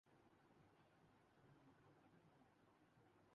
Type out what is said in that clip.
سب سے زیادہ استعمال ہونے والی زبان ہے